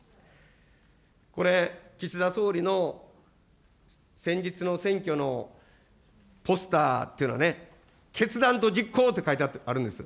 これ、岸田総理の先日の選挙のポスターというのはね、決断と実行と書いてあるんです。